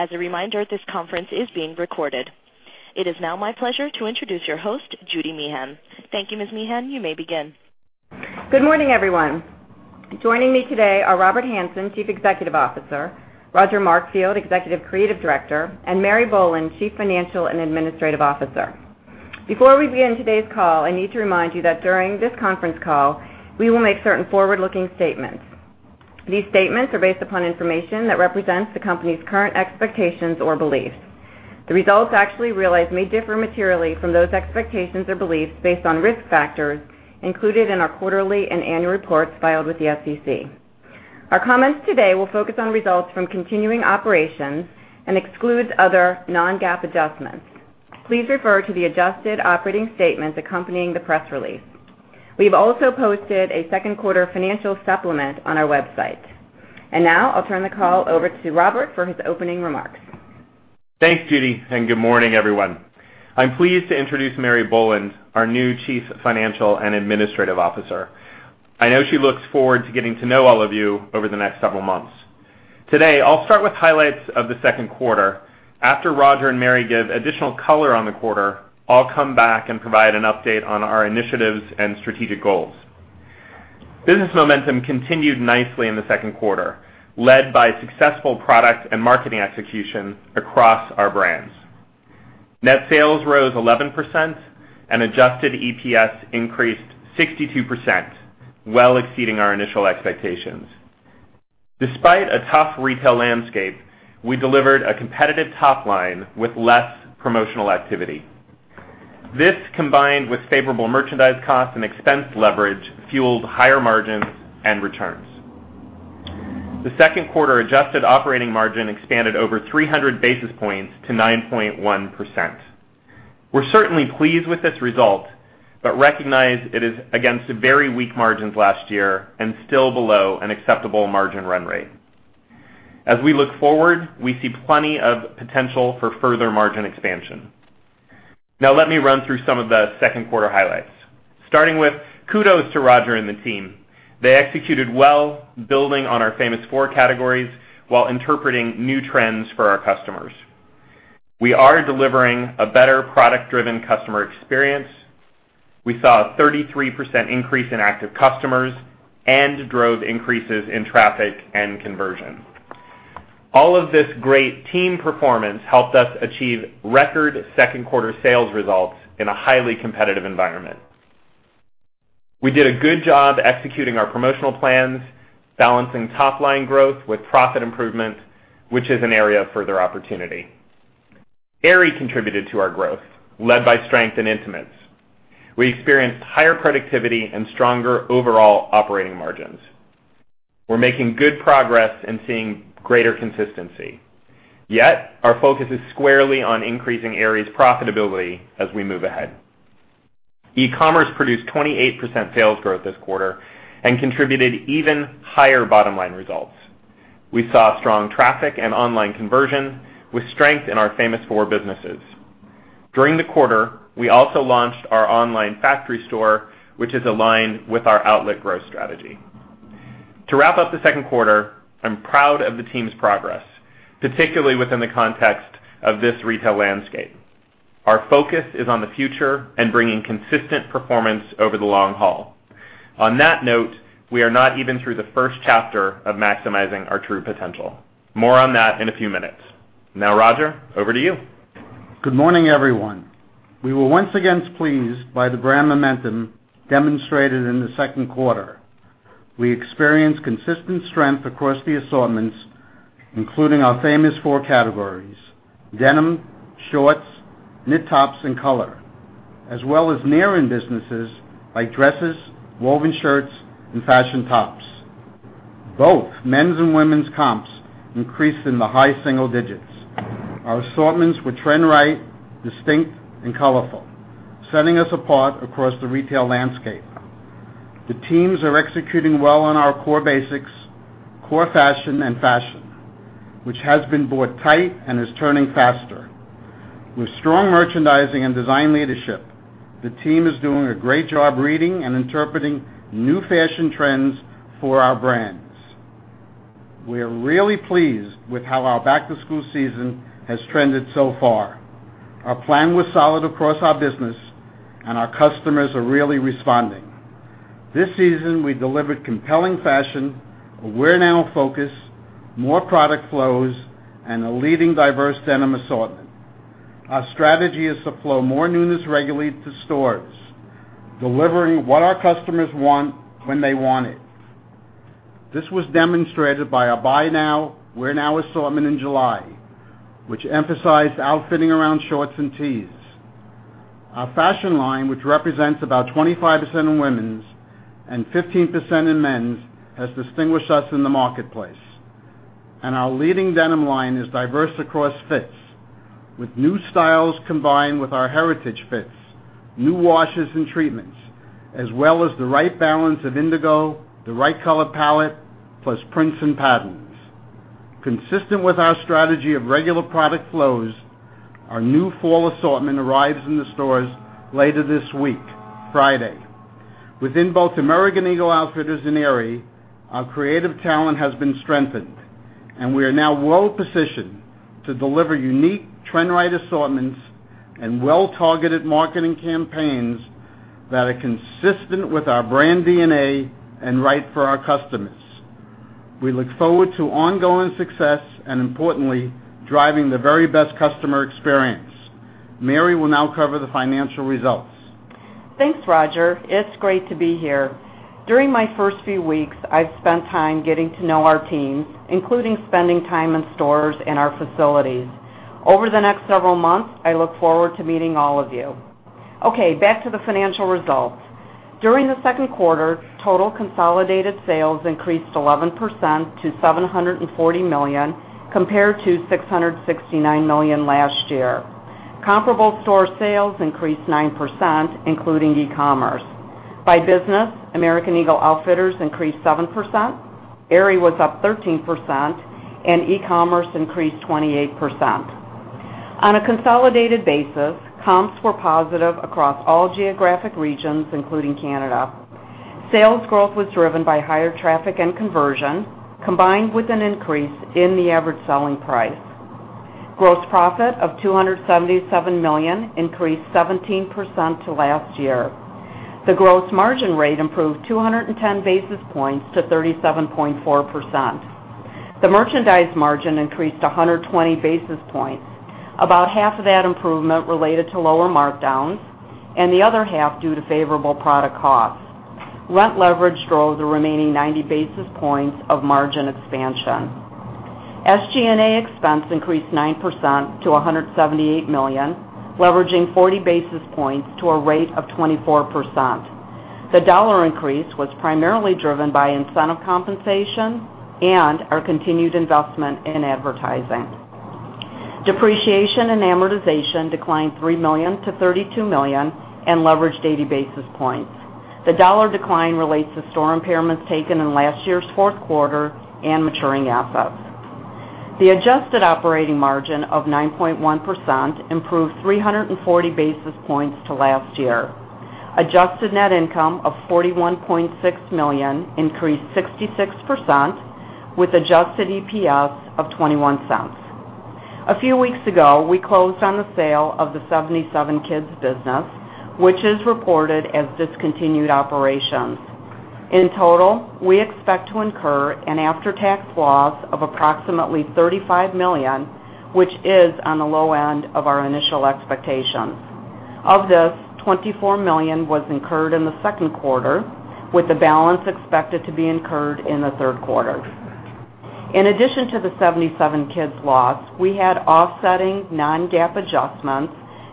As a reminder, this conference is being recorded. It is now my pleasure to introduce your host, Judy Meehan. Thank you, Ms. Meehan. You may begin. Good morning, everyone. Joining me today are Robert Hanson, Chief Executive Officer, Roger Markfield, Executive Creative Director, and Mary Boland, Chief Financial and Administrative Officer. Before we begin today's call, I need to remind you that during this conference call, we will make certain forward-looking statements. These statements are based upon information that represents the company's current expectations or beliefs. The results actually realized may differ materially from those expectations or beliefs based on risk factors included in our quarterly and annual reports filed with the SEC. Our comments today will focus on results from continuing operations and excludes other non-GAAP adjustments. Please refer to the adjusted operating statements accompanying the press release. We've also posted a second quarter financial supplement on our website. I'll turn the call over to Robert for his opening remarks. Thanks, Judy, and good morning, everyone. I'm pleased to introduce Mary Boland, our new Chief Financial and Administrative Officer. I know she looks forward to getting to know all of you over the next several months. Today, I'll start with highlights of the second quarter. After Roger and Mary give additional color on the quarter, I'll come back and provide an update on our initiatives and strategic goals. Business momentum continued nicely in the second quarter, led by successful product and marketing execution across our brands. Net sales rose 11% and adjusted EPS increased 62%, well exceeding our initial expectations. Despite a tough retail landscape, we delivered a competitive top line with less promotional activity. This, combined with favorable merchandise costs and expense leverage, fueled higher margins and returns. The second quarter adjusted operating margin expanded over 300 basis points to 9.1%. We're certainly pleased with this result, but recognize it is against very weak margins last year and still below an acceptable margin run rate. As we look forward, we see plenty of potential for further margin expansion. Now let me run through some of the second quarter highlights. Starting with kudos to Roger and the team. They executed well, building on our Famous Four categories while interpreting new trends for our customers. We are delivering a better product-driven customer experience. We saw a 33% increase in active customers and drove increases in traffic and conversion. All of this great team performance helped us achieve record second quarter sales results in a highly competitive environment. We did a good job executing our promotional plans, balancing top-line growth with profit improvement, which is an area of further opportunity. Aerie contributed to our growth, led by strength in intimates. We experienced higher productivity and stronger overall operating margins. We're making good progress and seeing greater consistency. Yet, our focus is squarely on increasing Aerie's profitability as we move ahead. E-commerce produced 28% sales growth this quarter and contributed even higher bottom-line results. We saw strong traffic and online conversion with strength in our Famous Four businesses. During the quarter, we also launched our online factory store, which is aligned with our outlet growth strategy. To wrap up the second quarter, I'm proud of the team's progress, particularly within the context of this retail landscape. Our focus is on the future and bringing consistent performance over the long haul. On that note, we are not even through the first chapter of maximizing our true potential. More on that in a few minutes. Now, Roger, over to you. Good morning, everyone. We were once again pleased by the brand momentum demonstrated in the second quarter. We experienced consistent strength across the assortments, including our Famous Four categories: denim, shorts, knit tops, and color, as well as near-in businesses like dresses, woven shirts, and fashion tops. Both men's and women's comps increased in the high single digits. Our assortments were trend-right, distinct, and colorful, setting us apart across the retail landscape. The teams are executing well on our core basics, core fashion, and fashion, which has been bought tight and is turning faster. With strong merchandising and design leadership, the team is doing a great job reading and interpreting new fashion trends for our brands. We are really pleased with how our back-to-school season has trended so far. Our plan was solid across our business, and our customers are really responding. This season, we delivered compelling fashion, a wear-now focus, more product flows, and a leading diverse denim assortment. Our strategy is to flow more newness regularly to stores, delivering what our customers want when they want it. This was demonstrated by our buy now, wear now assortment in July, which emphasized outfitting around shorts and tees. Our fashion line, which represents about 25% in women's and 15% in men's, has distinguished us in the marketplace. Our leading denim line is diverse across fits with new styles combined with our heritage fits, new washes, and treatments, as well as the right balance of indigo, the right color palette, plus prints and patterns. Consistent with our strategy of regular product flows, our new fall assortment arrives in the stores later this week, Friday. Within both American Eagle Outfitters and Aerie, our creative talent has been strengthened, and we are now well-positioned to deliver unique trend-right assortments and well-targeted marketing campaigns that are consistent with our brand DNA and right for our customers. We look forward to ongoing success and, importantly, driving the very best customer experience. Mary will now cover the financial results. Thanks, Roger. It's great to be here. During my first few weeks, I've spent time getting to know our team, including spending time in stores and our facilities. Over the next several months, I look forward to meeting all of you. Back to the financial results. During the second quarter, total consolidated sales increased 11% to $740 million, compared to $669 million last year. Comparable store sales increased 9%, including e-commerce. By business, American Eagle Outfitters increased 7%, Aerie was up 13%, and e-commerce increased 28%. On a consolidated basis, comps were positive across all geographic regions, including Canada. Sales growth was driven by higher traffic and conversion, combined with an increase in the average selling price. Gross profit of $277 million increased 17% to last year. The gross margin rate improved 210 basis points to 37.4%. The merchandise margin increased 120 basis points. About half of that improvement related to lower markdowns, and the other half due to favorable product costs. Rent leverage drove the remaining 90 basis points of margin expansion. SG&A expense increased 9% to $178 million, leveraging 40 basis points to a rate of 24%. The dollar increase was primarily driven by incentive compensation and our continued investment in advertising. Depreciation and amortization declined $3 million to $32 million and leveraged 80 basis points. The dollar decline relates to store impairments taken in last year's fourth quarter and maturing assets. The adjusted operating margin of 9.1% improved 340 basis points to last year. Adjusted net income of $41.6 million increased 66%, with adjusted EPS of $0.21. A few weeks ago, we closed on the sale of the 77kids business, which is reported as discontinued operations. In total, we expect to incur an after-tax loss of approximately $35 million, which is on the low end of our initial expectations. Of this, $24 million was incurred in the second quarter, with the balance expected to be incurred in the third quarter. In addition to the 77kids loss, we had offsetting non-GAAP adjustments,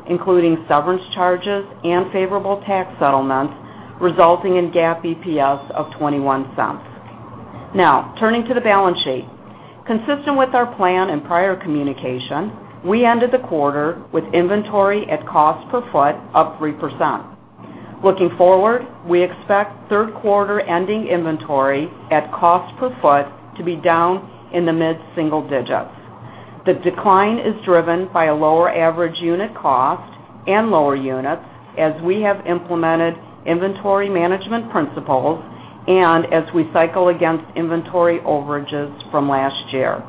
including severance charges and favorable tax settlements, resulting in GAAP EPS of $0.21. Turning to the balance sheet. Consistent with our plan and prior communication, we ended the quarter with inventory at cost per foot up 3%. Looking forward, we expect third-quarter-ending inventory at cost per foot to be down in the mid-single digits. The decline is driven by a lower average unit cost and lower units as we have implemented inventory management principles and as we cycle against inventory overages from last year.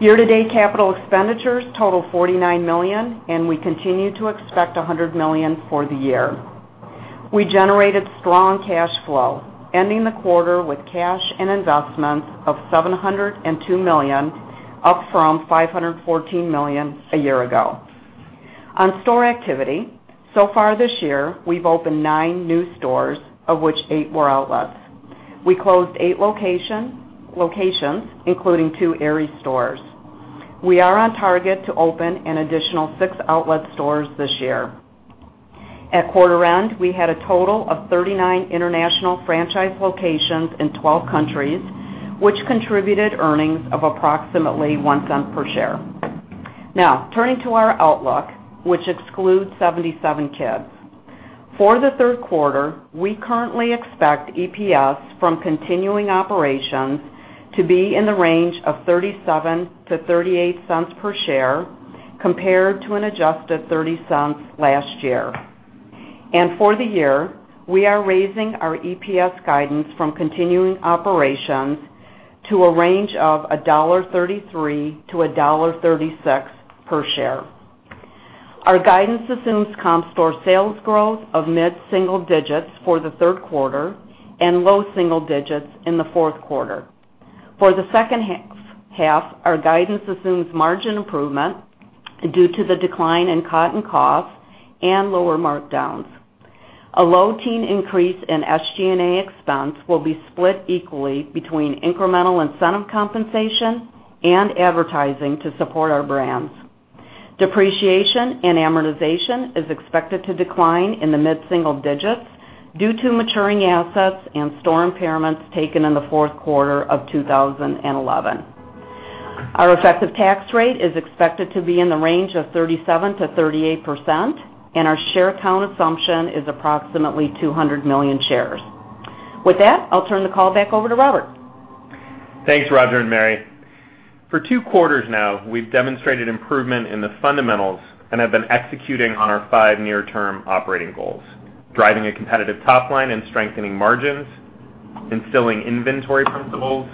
Year-to-date capital expenditures total $49 million, and we continue to expect $100 million for the year. We generated strong cash flow, ending the quarter with cash and investments of $702 million, up from $514 million a year ago. On store activity, so far this year, we've opened nine new stores, of which eight were outlets. We closed eight locations, including two Aerie stores. We are on target to open an additional six outlet stores this year. At quarter end, we had a total of 39 international franchise locations in 12 countries, which contributed earnings of approximately $0.01 per share. Turning to our outlook, which excludes 77kids. For the third quarter, we currently expect EPS from continuing operations to be in the range of $0.37-$0.38 per share, compared to an adjusted $0.30 last year. For the year, we are raising our EPS guidance from continuing operations to a range of $1.33-$1.36 per share. Our guidance assumes comp store sales growth of mid-single digits for the third quarter and low single digits in the fourth quarter. For the second half, our guidance assumes margin improvement due to the decline in cotton costs and lower markdowns. A low-teen increase in SG&A expense will be split equally between incremental incentive compensation and advertising to support our brands. Depreciation and amortization is expected to decline in the mid-single digits due to maturing assets and store impairments taken in the fourth quarter of 2011. Our effective tax rate is expected to be in the range of 37%-38%, and our share count assumption is approximately 200 million shares. With that, I'll turn the call back over to Robert. Thanks, Roger and Mary. For two quarters now, we've demonstrated improvement in the fundamentals and have been executing on our five near-term operating goals: driving a competitive top line and strengthening margins, instilling inventory principles,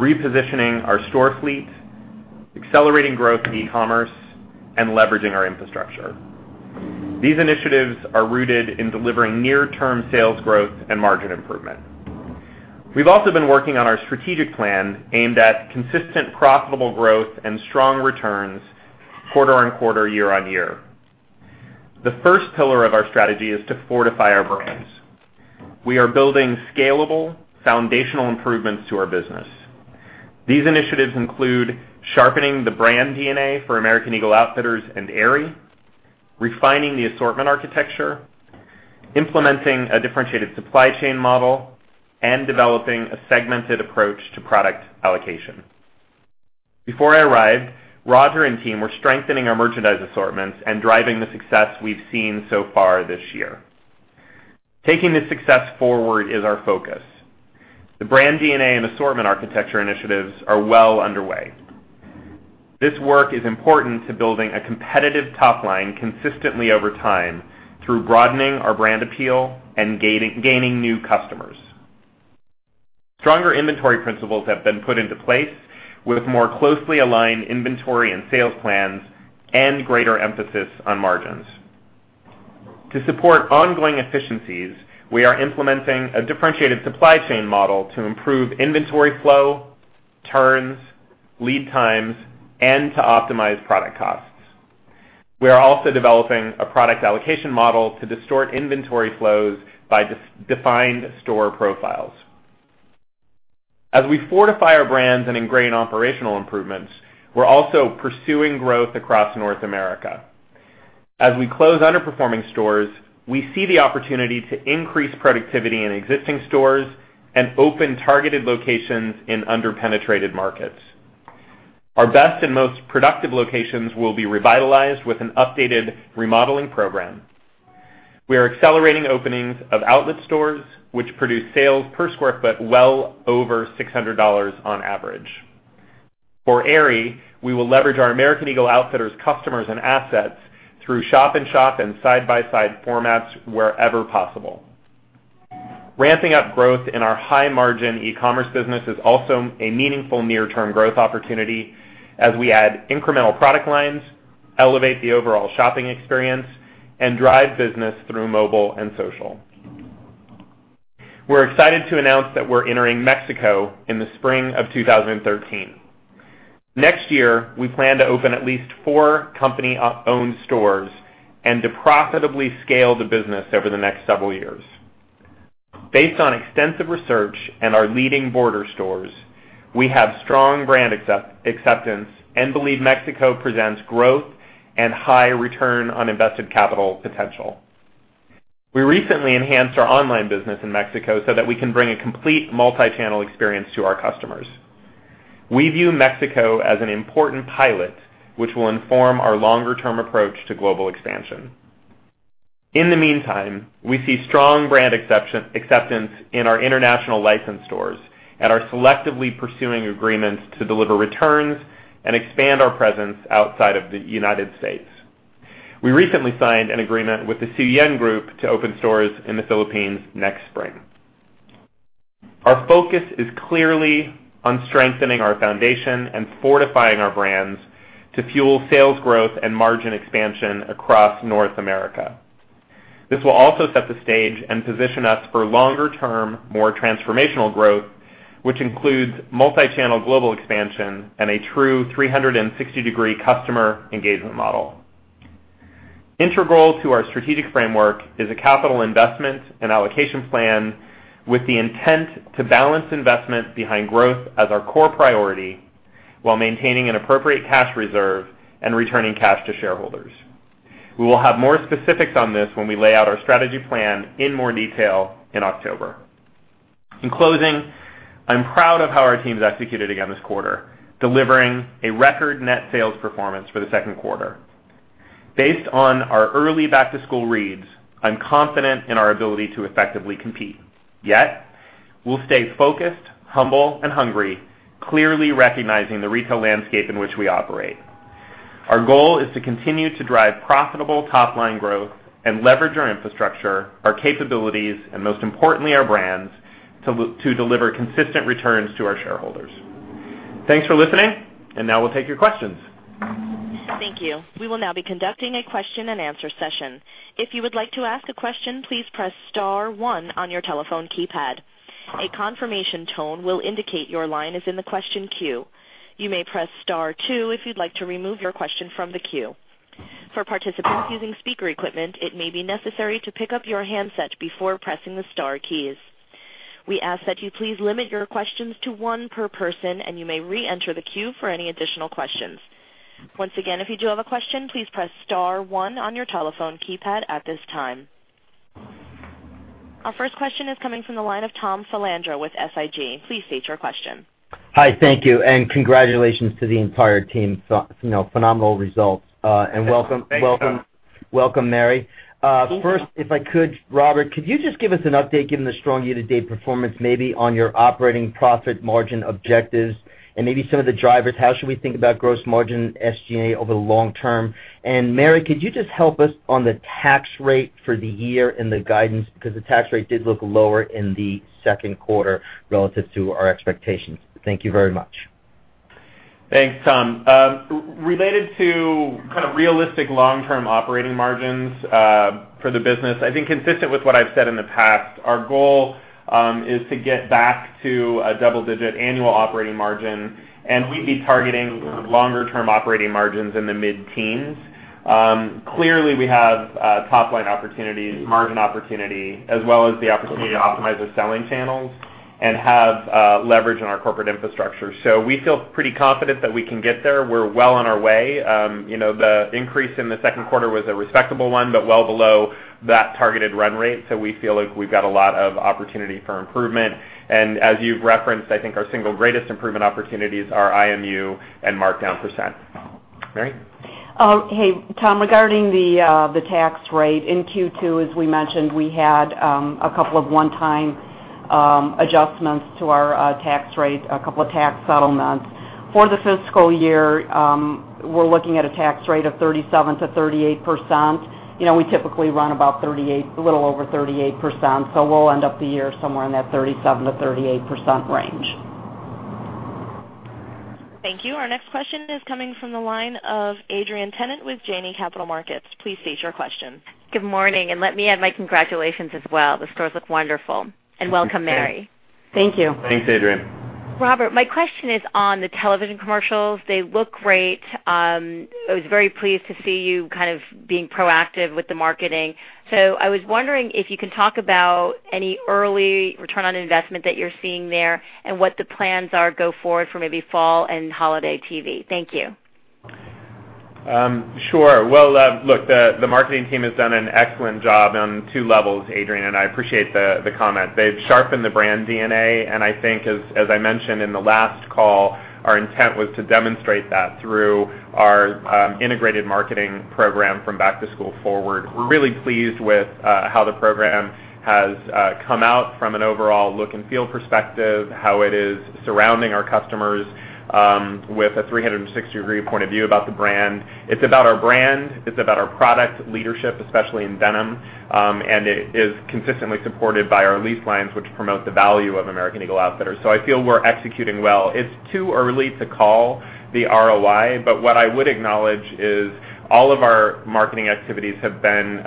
repositioning our store fleet, accelerating growth in e-commerce, and leveraging our infrastructure. These initiatives are rooted in delivering near-term sales growth and margin improvement. We've also been working on our strategic plan aimed at consistent profitable growth and strong returns quarter-on-quarter, year-on-year. The first pillar of our strategy is to fortify our brands. We are building scalable, foundational improvements to our business. These initiatives include sharpening the brand DNA for American Eagle Outfitters and Aerie, refining the assortment architecture, implementing a differentiated supply chain model, and developing a segmented approach to product allocation. Before I arrived, Roger and team were strengthening our merchandise assortments and driving the success we've seen so far this year. Taking this success forward is our focus. The brand DNA and assortment architecture initiatives are well underway. This work is important to building a competitive top line consistently over time through broadening our brand appeal and gaining new customers. Stronger inventory principles have been put into place with more closely aligned inventory and sales plans and greater emphasis on margins. To support ongoing efficiencies, we are implementing a differentiated supply chain model to improve inventory flow, turns, lead times, and to optimize product costs. We are also developing a product allocation model to distort inventory flows by defined store profiles. As we fortify our brands and ingrain operational improvements, we're also pursuing growth across North America. As we close underperforming stores, we see the opportunity to increase productivity in existing stores and open targeted locations in under-penetrated markets. Our best and most productive locations will be revitalized with an updated remodeling program. We are accelerating openings of outlet stores, which produce sales per square foot well over $600 on average. For Aerie, we will leverage our American Eagle Outfitters customers and assets through shop-in-shop and side-by-side formats wherever possible. Ramping up growth in our high-margin e-commerce business is also a meaningful near-term growth opportunity as we add incremental product lines, elevate the overall shopping experience, and drive business through mobile and social. We're excited to announce that we're entering Mexico in the spring of 2013. Next year, we plan to open at least four company-owned stores and to profitably scale the business over the next several years. Based on extensive research and our leading border stores, we have strong brand acceptance and believe Mexico presents growth and high return on invested capital potential. We recently enhanced our online business in Mexico so that we can bring a complete multi-channel experience to our customers. We view Mexico as an important pilot, which will inform our longer-term approach to global expansion. In the meantime, we see strong brand acceptance in our international licensed stores and are selectively pursuing agreements to deliver returns and expand our presence outside of the U.S. We recently signed an agreement with Kuehne+Nagel to open stores in the Philippines next spring. Our focus is clearly on strengthening our foundation and fortifying our brands to fuel sales growth and margin expansion across North America. This will also set the stage and position us for longer-term, more transformational growth, which includes multi-channel global expansion and a true 360-degree customer engagement model. Integral to our strategic framework is a capital investment and allocation plan with the intent to balance investment behind growth as our core priority while maintaining an appropriate cash reserve and returning cash to shareholders. We will have more specifics on this when we lay out our strategy plan in more detail in October. In closing, I'm proud of how our team has executed again this quarter, delivering a record net sales performance for the second quarter. Based on our early back-to-school reads, I'm confident in our ability to effectively compete. Yet, we'll stay focused, humble, and hungry, clearly recognizing the retail landscape in which we operate. Our goal is to continue to drive profitable top-line growth and leverage our infrastructure, our capabilities, and most importantly, our brands, to deliver consistent returns to our shareholders. Thanks for listening. Now we'll take your questions. Thank you. We will now be conducting a question and answer session. If you would like to ask a question, please press star one on your telephone keypad. A confirmation tone will indicate your line is in the question queue. You may press star two if you'd like to remove your question from the queue. For participants using speaker equipment, it may be necessary to pick up your handset before pressing the star keys. We ask that you please limit your questions to one per person, and you may re-enter the queue for any additional questions. Once again, if you do have a question, please press star one on your telephone keypad at this time. Our first question is coming from the line of Tom Filandro with SIG. Please state your question. Hi, thank you. Congratulations to the entire team. Phenomenal results. Thanks, Tom. Welcome, Mary. Thank you. First, if I could, Robert, could you just give us an update, given the strong year-to-date performance, maybe on your operating profit margin objectives and maybe some of the drivers. How should we think about gross margin, SG&A over the long term? Mary, could you just help us on the tax rate for the year and the guidance because the tax rate did look lower in the second quarter relative to our expectations. Thank you very much. Thanks, Tom. Related to realistic long-term operating margins for the business, I think consistent with what I've said in the past, our goal is to get back to a double-digit annual operating margin, and we'd be targeting longer-term operating margins in the mid-teens. Clearly, we have top-line opportunities, margin opportunity, as well as the opportunity to optimize the selling channels and have leverage in our corporate infrastructure. We feel pretty confident that we can get there. We're well on our way. The increase in the second quarter was a respectable one, but well below that targeted run rate. We feel like we've got a lot of opportunity for improvement. As you've referenced, I think our single greatest improvement opportunities are IMU and markdown %. Mary. Hey, Tom. Regarding the tax rate in Q2, as we mentioned, we had a couple of one-time adjustments to our tax rate, a couple of tax settlements. For the fiscal year, we're looking at a tax rate of 37%-38%. We typically run about a little over 38%, we'll end up the year somewhere in that 37%-38% range. Thank you. Our next question is coming from the line of Adrienne Tennant with Janney Montgomery Scott. Please state your question. Good morning. Let me add my congratulations as well. The stores look wonderful, and welcome, Mary. Thank you. Thanks, Adrienne. Robert, my question is on the television commercials. They look great. I was very pleased to see you being proactive with the marketing. I was wondering if you can talk about any early return on investment that you're seeing there and what the plans are go forward for maybe fall and holiday TV. Thank you. Sure. Well, look, the marketing team has done an excellent job on two levels, Adrienne, and I appreciate the comment. They've sharpened the brand DNA, and I think, as I mentioned in the last call, our intent was to demonstrate that through our integrated marketing program from Back to School forward. Really pleased with how the program has come out from an overall look and feel perspective, how it is surrounding our customers with a 360-degree point of view about the brand. It's about our brand, it's about our product leadership, especially in denim, and it is consistently supported by our lease lines, which promote the value of American Eagle Outfitters. I feel we're executing well. It's too early to call the ROI, but what I would acknowledge is all of our marketing activities have been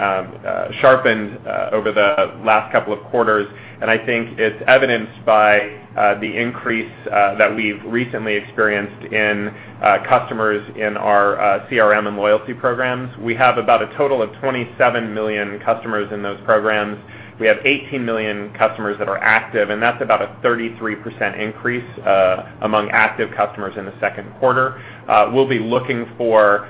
sharpened over the last couple of quarters, and I think it's evidenced by the increase that we've recently experienced in customers in our CRM and loyalty programs. We have about a total of 27 million customers in those programs. We have 18 million customers that are active, and that's about a 33% increase among active customers in the second quarter. We'll be looking for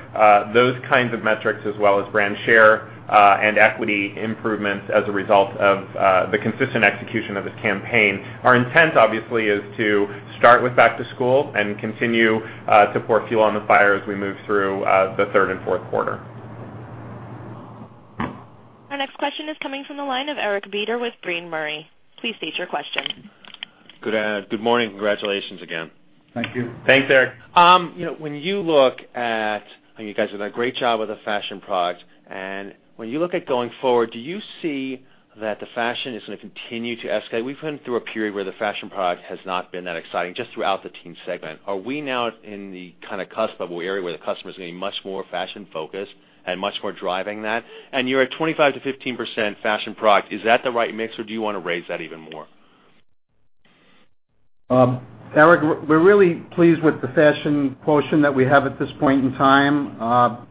those kinds of metrics as well as brand share and equity improvements as a result of the consistent execution of this campaign. Our intent, obviously, is to start with Back to School and continue to pour fuel on the fire as we move through the third and fourth quarter. Our next question is coming from the line of Eric Beder with Brean Murray. Please state your question. Good morning. Congratulations again. Thank you. Thanks, Eric. You guys have done a great job with the fashion product, when you look at going forward, do you see that the fashion is going to continue to escalate? We've gone through a period where the fashion product has not been that exciting, just throughout the teen segment. Are we now in the cusp of where the customer is getting much more fashion-focused and much more driving that? You're at 25% to 15% fashion product. Is that the right mix, or do you want to raise that even more? Eric, we're really pleased with the fashion quotient that we have at this point in time.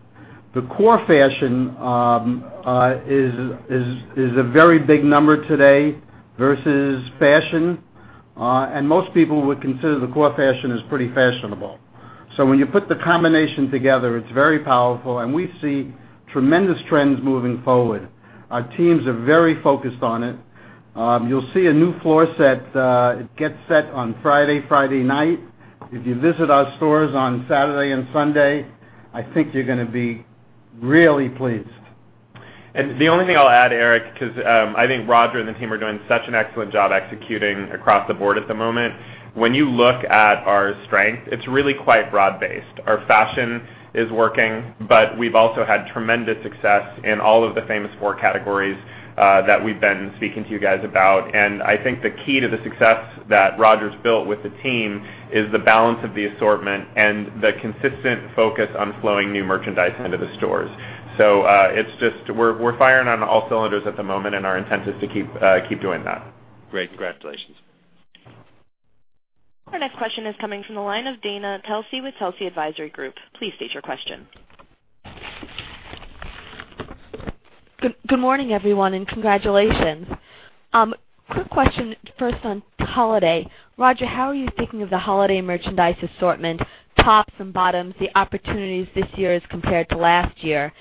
The core fashion is a very big number today versus fashion. Most people would consider the core fashion as pretty fashionable. When you put the combination together, it's very powerful, and we see tremendous trends moving forward. Our teams are very focused on it. You'll see a new floor set. It gets set on Friday night. If you visit our stores on Saturday and Sunday, I think you're going to be really pleased. The only thing I'll add, Eric, because I think Roger and the team are doing such an excellent job executing across the board at the moment. When you look at our strength, it is really quite broad-based. Our fashion is working, but we have also had tremendous success in all of the Famous Four categories that we have been speaking to you guys about. I think the key to the success that Roger has built with the team is the balance of the assortment and the consistent focus on flowing new merchandise into the stores. We are firing on all cylinders at the moment, and our intent is to keep doing that. Great. Congratulations. Our next question is coming from the line of Dana Telsey with Telsey Advisory Group. Please state your question. Good morning, everyone, and congratulations. Quick question first on holiday. Roger, how are you thinking of the holiday merchandise assortment, tops and bottoms, the opportunities this year as compared to last year?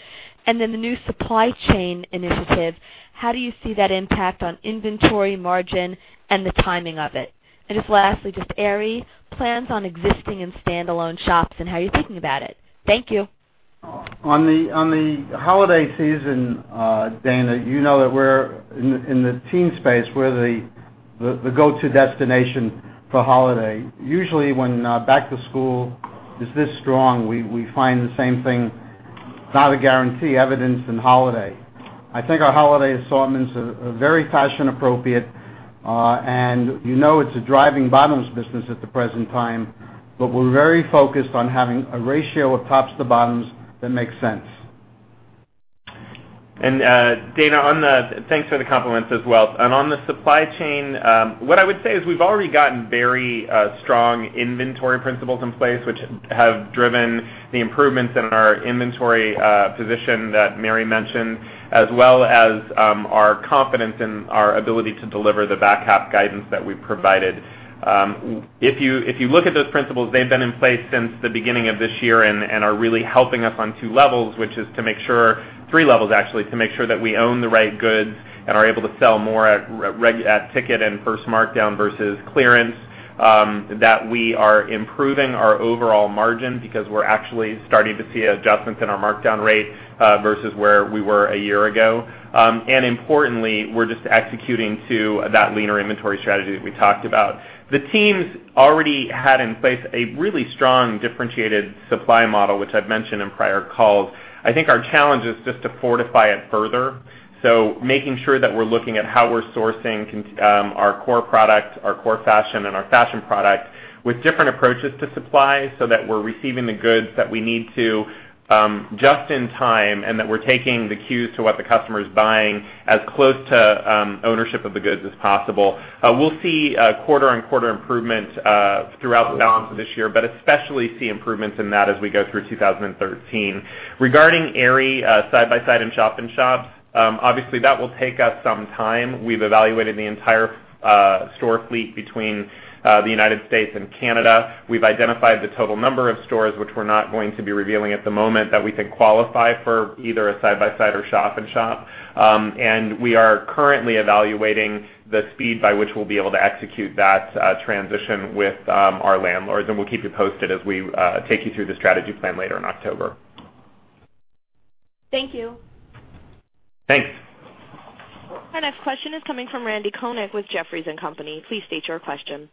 Then the new supply chain initiative, how do you see that impact on inventory margin and the timing of it? Just lastly, just Aerie plans on existing and standalone shops and how you are thinking about it. Thank you. On the holiday season, Dana, you know that in the teen space, we're the go-to destination for holiday. Usually, when back to school is this strong, we find the same thing, it's not a guarantee, evidenced in holiday. I think our holiday assortments are very fashion appropriate. You know it's a driving bottoms business at the present time, but we're very focused on having a ratio of tops to bottoms that makes sense. Dana, thanks for the compliments as well. On the supply chain, what I would say is we've already gotten very strong inventory principles in place, which have driven the improvements in our inventory position that Mary mentioned, as well as our confidence in our ability to deliver the back half guidance that we've provided. If you look at those principles, they've been in place since the beginning of this year and are really helping us on two levels, three levels actually, to make sure that we own the right goods and are able to sell more at ticket and first markdown versus clearance, that we are improving our overall margin because we're actually starting to see adjustments in our markdown rate versus where we were a year ago. Importantly, we're just executing to that leaner inventory strategy that we talked about. The teams already had in place a really strong differentiated supply model, which I've mentioned in prior calls. I think our challenge is just to fortify it further. Making sure that we're looking at how we're sourcing our core product, our core fashion, and our fashion product with different approaches to supply so that we're receiving the goods that we need to, just in time, and that we're taking the cues to what the customer is buying as close to ownership of the goods as possible. We'll see quarter-on-quarter improvements throughout the balance of this year, but especially see improvements in that as we go through 2013. Regarding Aerie side-by-side and shop-in-shops, obviously that will take us some time. We've evaluated the entire store fleet between the United States and Canada. We've identified the total number of stores, which we're not going to be revealing at the moment, that we think qualify for either a side-by-side or shop-in-shop. We are currently evaluating the speed by which we'll be able to execute that transition with our landlords, and we'll keep you posted as we take you through the strategy plan later in October. Thank you. Thanks. Our next question is coming from Randal Konik with Jefferies & Company. Please state your question.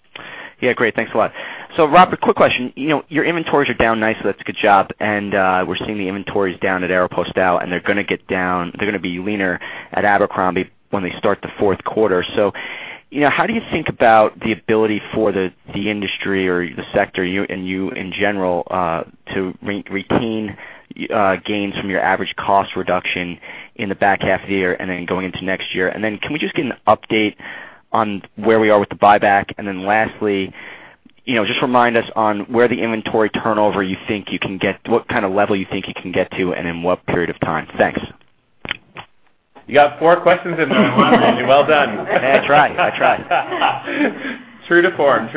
Yeah, great. Thanks a lot. Robert, quick question. Your inventories are down nicely. That's a good job. We're seeing the inventories down at Aéropostale, and they're going to be leaner at Abercrombie when they start the fourth quarter. How do you think about the ability for the industry or the sector, and you in general, to retain gains from your average cost reduction in the back half of the year and then going into next year? Can we just get an update on where we are with the buyback? Lastly, just remind us on where the inventory turnover, what kind of level you think you can get to and in what period of time. Thanks. You got four questions in there, Randy. Well done. I try. True to form.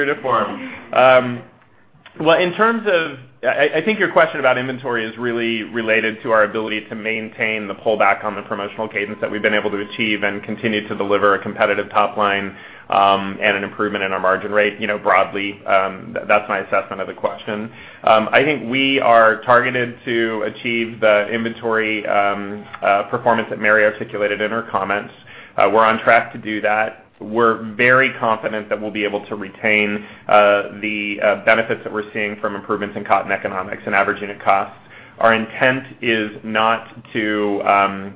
I think your question about inventory is really related to our ability to maintain the pullback on the promotional cadence that we've been able to achieve and continue to deliver a competitive top line, and an improvement in our margin rate. Broadly, that's my assessment of the question. I think we are targeted to achieve the inventory performance that Mary articulated in her comments. We're on track to do that. We're very confident that we'll be able to retain the benefits that we're seeing from improvements in cotton economics and average unit costs. Our intent is not to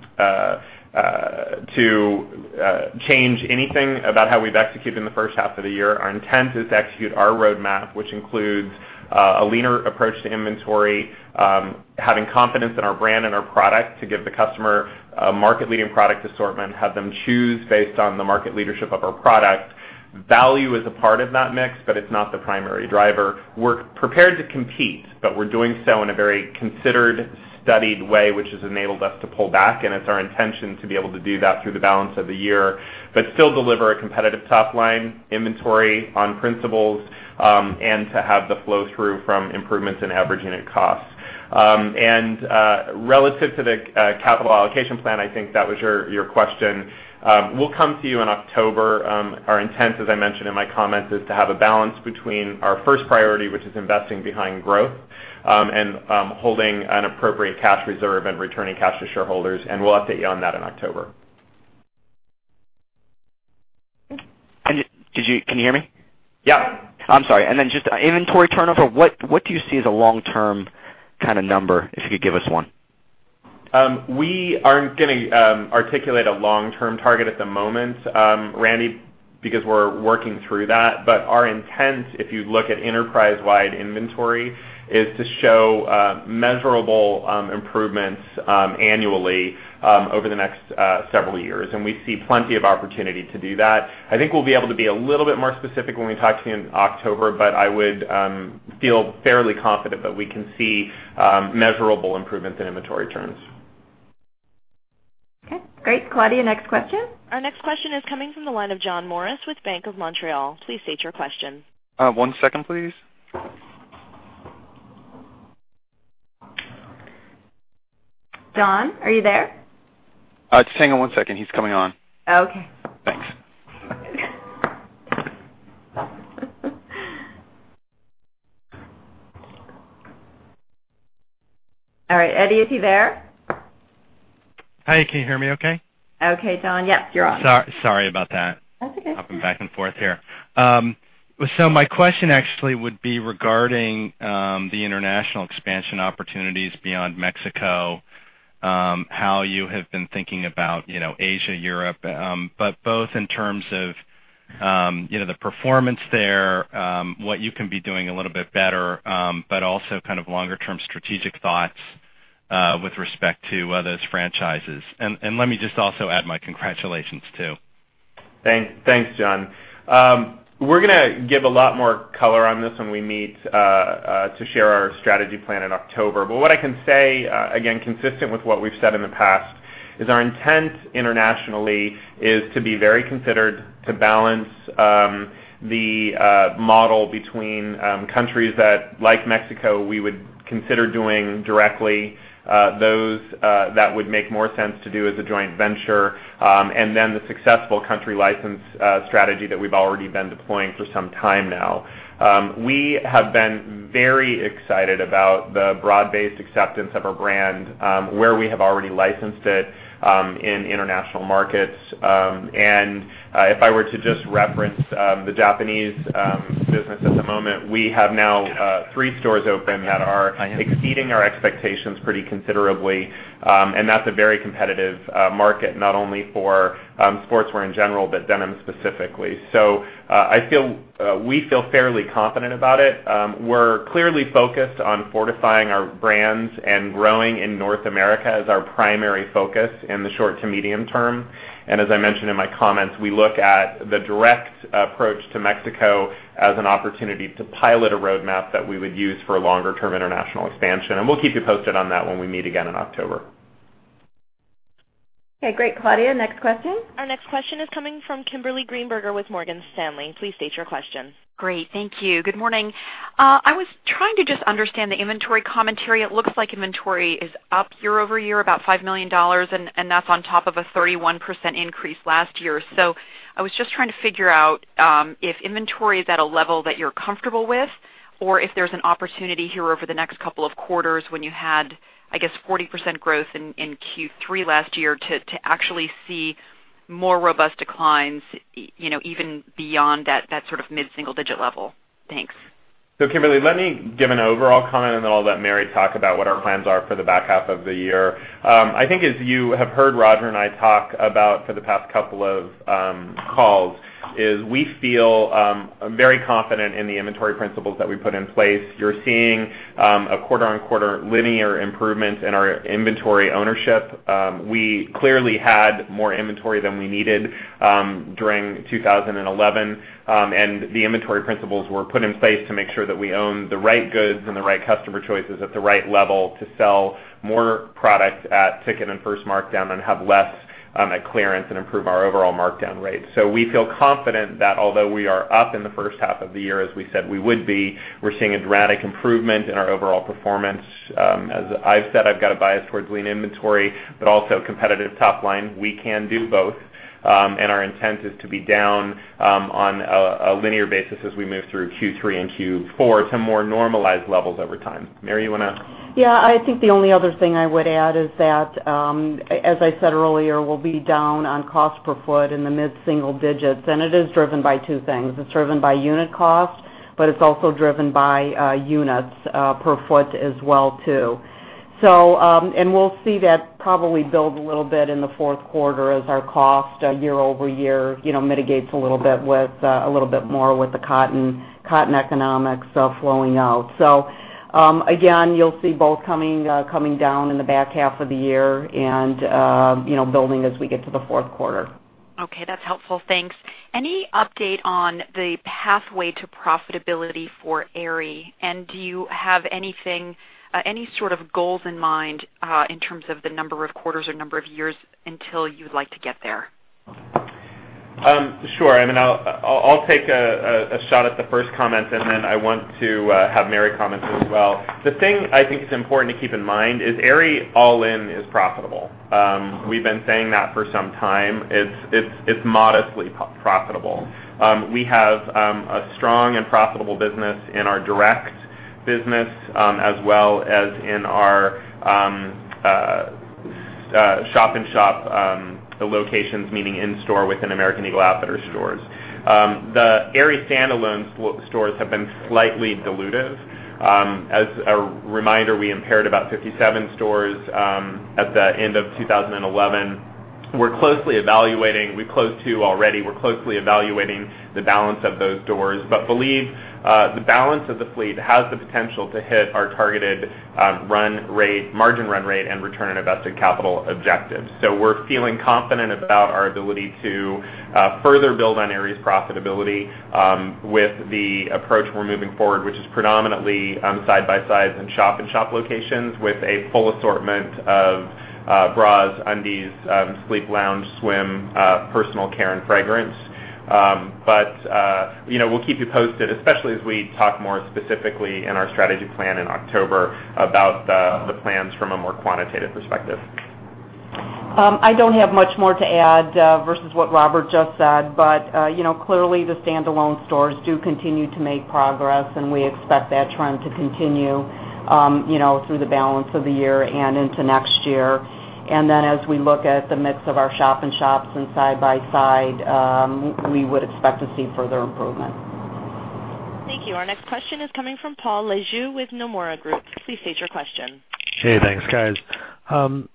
change anything about how we've executed in the first half of the year. Our intent is to execute our roadmap, which includes a leaner approach to inventory, having confidence in our brand and our product to give the customer a market-leading product assortment, have them choose based on the market leadership of our product. Value is a part of that mix, but it's not the primary driver. We're prepared to compete, but we're doing so in a very considered, studied way, which has enabled us to pull back, and it's our intention to be able to do that through the balance of the year, but still deliver a competitive top line inventory on principles, and to have the flow-through from improvements in average unit costs. Relative to the capital allocation plan, I think that was your question. We'll come to you in October. Our intent, as I mentioned in my comments, is to have a balance between our first priority, which is investing behind growth, and holding an appropriate cash reserve and returning cash to shareholders. We'll update you on that in October. Can you hear me? Yeah. I'm sorry. Then just inventory turnover, what do you see as a long-term kind of number, if you could give us one? We aren't going to articulate a long-term target at the moment, Randy, because we're working through that. Our intent, if you look at enterprise-wide inventory, is to show measurable improvements annually over the next several years, and we see plenty of opportunity to do that. I think we'll be able to be a little bit more specific when we talk to you in October, but I would feel fairly confident that we can see measurable improvements in inventory turns. Okay, great. Claudia, next question. Our next question is coming from the line of John Morris with Bank of Montreal. Please state your question. One second, please. John, are you there? Just hang on one second. He's coming on. Okay. All right, Eddie, is he there? Hi, can you hear me okay? Okay, John. Yep, you're on. Sorry about that. That's okay. Hopping back and forth here. My question actually would be regarding the international expansion opportunities beyond Mexico, how you have been thinking about Asia, Europe. Both in terms of the performance there, what you can be doing a little bit better, also longer-term strategic thoughts with respect to those franchises. Let me just also add my congratulations, too. Thanks, John. We're going to give a lot more color on this when we meet to share our strategy plan in October. What I can say, again, consistent with what we've said in the past, is our intent internationally is to be very considered, to balance the model between countries that, like Mexico, we would consider doing directly, those that would make more sense to do as a joint venture, then the successful country license strategy that we've already been deploying for some time now. We have been very excited about the broad-based acceptance of our brand, where we have already licensed it in international markets. If I were to just reference the Japanese business at the moment, we have now three stores open that are exceeding our expectations pretty considerably. That's a very competitive market, not only for sportswear in general, but denim specifically. We feel fairly confident about it. We're clearly focused on fortifying our brands and growing in North America as our primary focus in the short to medium term. As I mentioned in my comments, we look at the direct approach to Mexico as an opportunity to pilot a roadmap that we would use for longer-term international expansion. We'll keep you posted on that when we meet again in October. Okay, great. Claudia, next question. Our next question is coming from Kimberly Greenberger with Morgan Stanley. Please state your question. Great. Thank you. Good morning. I was trying to just understand the inventory commentary. It looks like inventory is up year-over-year about $5 million, and that's on top of a 31% increase last year. I was just trying to figure out if inventory is at a level that you're comfortable with, or if there's an opportunity here over the next couple of quarters when you had, I guess, 40% growth in Q3 last year to actually see more robust declines, even beyond that sort of mid-single-digit level. Thanks. Kimberly, let me give an overall comment, and then I'll let Mary talk about what our plans are for the back half of the year. I think as you have heard Roger and I talk about for the past couple of calls, is we feel very confident in the inventory principles that we put in place. You're seeing a quarter-on-quarter linear improvement in our inventory ownership. We clearly had more inventory than we needed during 2011. The inventory principles were put in place to make sure that we own the right goods and the right customer choices at the right level to sell more product at ticket and first markdown and have less at clearance and improve our overall markdown rate. We feel confident that although we are up in the first half of the year, as we said we would be, we are seeing a dramatic improvement in our overall performance. As I have said, I have got a bias towards lean inventory, but also competitive top line. We can do both. Our intent is to be down on a linear basis as we move through Q3 and Q4 to more normalized levels over time. Mary, you want to I think the only other thing I would add is that, as I said earlier, we will be down on cost per foot in the mid-single digits, and it is driven by two things. It is driven by unit cost, but it is also driven by units per foot as well, too. We will see that probably build a little bit in the fourth quarter as our cost year-over-year mitigates a little bit more with the cotton economics flowing out. Again, you will see both coming down in the back half of the year and building as we get to the fourth quarter. Okay. That is helpful. Thanks. Any update on the pathway to profitability for Aerie? Do you have any sort of goals in mind in terms of the number of quarters or number of years until you would like to get there? Sure. I will take a shot at the first comment, and then I want to have Mary comment as well. The thing I think is important to keep in mind is Aerie all in is profitable. We have been saying that for some time. It is modestly profitable. We have a strong and profitable business in our direct business as well as in our shop-in-shop locations, meaning in store within American Eagle Outfitters stores. The Aerie standalone stores have been slightly dilutive. As a reminder, we impaired about 57 stores at the end of 2011. We closed two already. We are closely evaluating the balance of those stores, but believe the balance of the fleet has the potential to hit our targeted margin run rate and return on invested capital objectives. We're feeling confident about our ability to further build on Aerie's profitability with the approach we're moving forward, which is predominantly side-by-sides and shop-in-shop locations with a full assortment of bras, undies, sleep lounge, swim, personal care, and fragrance. We'll keep you posted, especially as we talk more specifically in our strategy plan in October about the plans from a more quantitative perspective. I don't have much more to add versus what Robert just said. Clearly, the standalone stores do continue to make progress, and we expect that trend to continue through the balance of the year and into next year. As we look at the mix of our shop-in-shops and side-by-side, we would expect to see further improvement. Thank you. Our next question is coming from Paul Lejuez with Nomura Group. Please state your question. Hey, thanks, guys.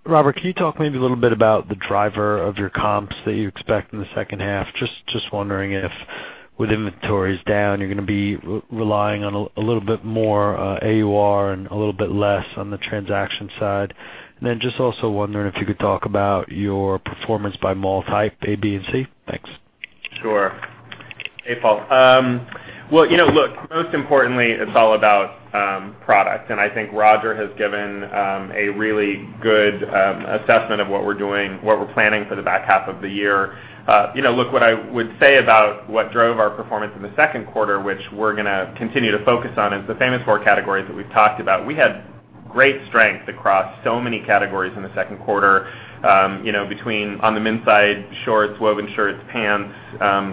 Robert, can you talk maybe a little bit about the driver of your comps that you expect in the second half? Just wondering if with inventories down, you're going to be relying on a little bit more AUR and a little bit less on the transaction side. Then just also wondering if you could talk about your performance by mall type A, B, and C. Thanks. Sure. Hey, Paul. Look, most importantly, it's all about product, and I think Roger has given a really good assessment of what we're doing, what we're planning for the back half of the year. Look, what I would say about what drove our performance in the second quarter, which we're going to continue to focus on, is the Famous Four categories that we've talked about. We had great strength across so many categories in the second quarter between, on the men's side, shorts, woven shirts, pants,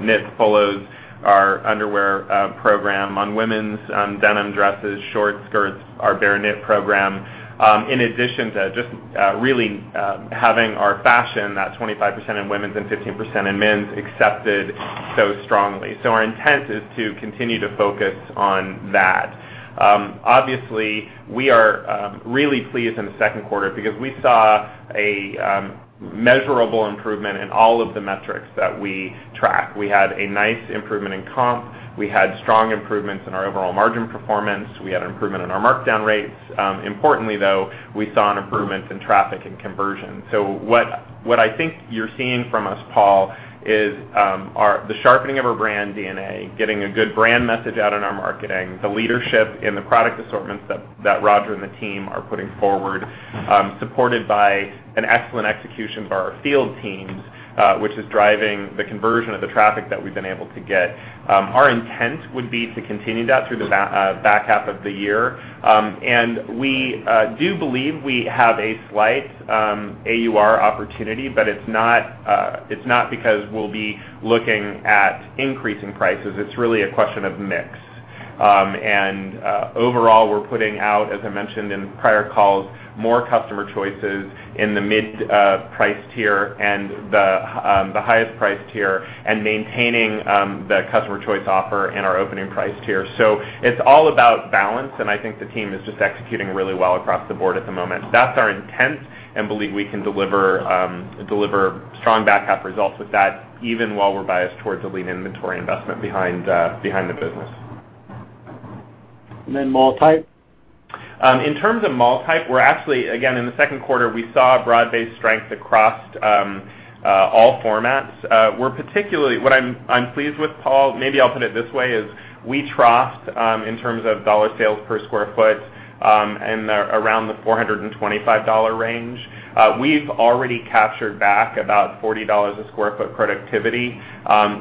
knits, polos, our underwear program. On women's, denim, dresses, shorts, skirts, our bare knit program. In addition to just really having our fashion, that 25% in women's and 15% in men's, accepted so strongly. Our intent is to continue to focus on that. Obviously, we are really pleased in the second quarter because we saw a measurable improvement in all of the metrics that we track. We had a nice improvement in comp. We had strong improvements in our overall margin performance. We had an improvement in our markdown rates. Importantly, though, we saw an improvement in traffic and conversion. What I think you're seeing from us, Paul, is the sharpening of our brand DNA, getting a good brand message out in our marketing, the leadership in the product assortments that Roger and the team are putting forward, supported by an excellent execution by our field teams, which is driving the conversion of the traffic that we've been able to get. Our intent would be to continue that through the back half of the year. We do believe we have a slight AUR opportunity, but it's not because we'll be looking at increasing prices. It's really a question of mix. Overall, we're putting out, as I mentioned in prior calls, more customer choices in the mid-priced tier and the highest priced tier, and maintaining the customer choice offer in our opening price tier. It's all about balance, and I think the team is just executing really well across the board at the moment. That's our intent, and believe we can deliver strong back half results with that, even while we're biased towards a lean inventory investment behind the business. Mall type. In terms of mall type, we're actually, again, in the second quarter, we saw broad-based strength across all formats. What I'm pleased with, Paul, maybe I'll put it this way, is we troughs in terms of dollar sales per square foot in around the $425 range. We've already captured back about $40 a square foot productivity.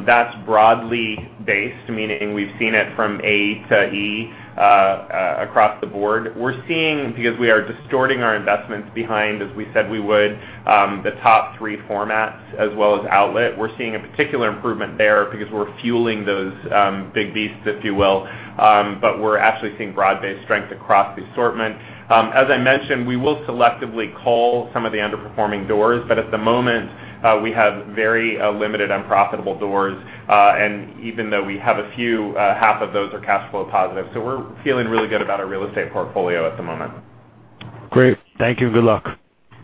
That's broadly based, meaning we've seen it from A to E across the board. We're seeing, because we are distorting our investments behind, as we said we would, the top three formats as well as outlet. We're seeing a particular improvement there because we're fueling those big beasts, if you will, but we're actually seeing broad-based strength across the assortment. As I mentioned, we will selectively call some of the underperforming doors. At the moment, we have very limited unprofitable doors. Even though we have a few, half of those are cash flow positive. We're feeling really good about our real estate portfolio at the moment. Great. Thank you. Good luck.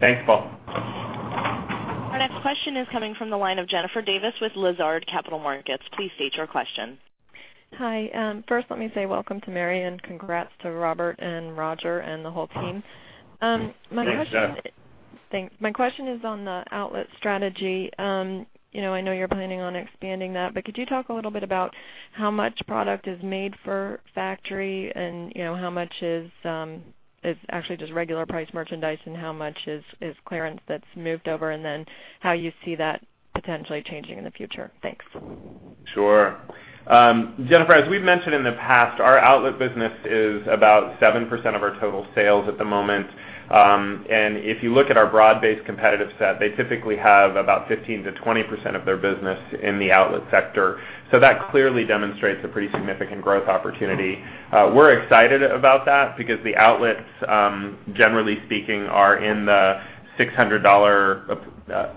Thanks, Paul. Our next question is coming from the line of Jennifer Davis with Lazard Capital Markets. Please state your question. Hi. First, let me say welcome to Mary and congrats to Robert and Roger and the whole team. Thanks, Jen. Thanks. My question is on the outlet strategy. I know you're planning on expanding that, could you talk a little bit about how much product is made for factory and how much is actually just regular price merchandise and how much is clearance that's moved over, and then how you see that potentially changing in the future? Thanks. Sure. Jennifer, as we've mentioned in the past, our outlet business is about 7% of our total sales at the moment. If you look at our broad-based competitive set, they typically have about 15%-20% of their business in the outlet sector. That clearly demonstrates a pretty significant growth opportunity. We're excited about that because the outlets, generally speaking, are in the $600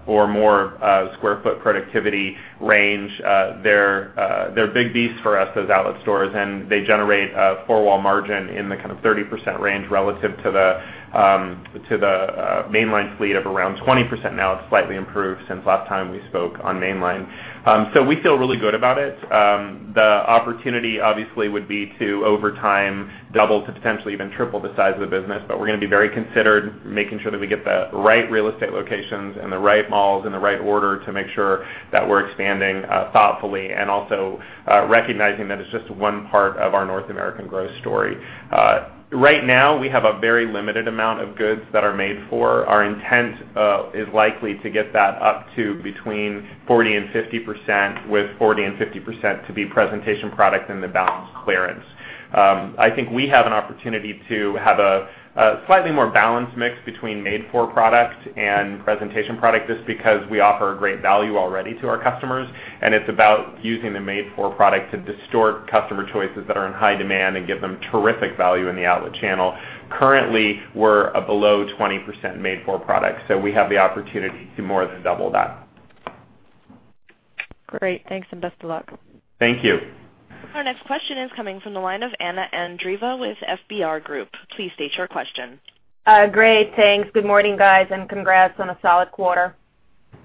or more sq ft productivity range. They're big beasts for us, those outlet stores, and they generate a four-wall margin in the kind of 30% range relative to the mainline fleet of around 20%. It's slightly improved since last time we spoke on mainline. We feel really good about it. The opportunity obviously would be to, over time, double to potentially even triple the size of the business. We're going to be very considered, making sure that we get the right real estate locations and the right malls in the right order to make sure that we're expanding thoughtfully and also recognizing that it's just one part of our North American growth story. Right now, we have a very limited amount of goods that are made for. Our intent is likely to get that up to between 40%-50%, with 40%-50% to be presentation product and the balance clearance. I think we have an opportunity to have a slightly more balanced mix between made-for product and presentation product, just because we offer great value already to our customers, and it's about using the made-for product to distort customer choices that are in high demand and give them terrific value in the outlet channel. Currently, we're below 20% made-for product, we have the opportunity to more than double that. Great. Thanks, best of luck. Thank you. Our next question is coming from the line of Anna Andreeva with FBR Group. Please state your question. Great. Thanks. Good morning, guys, and congrats on a solid quarter.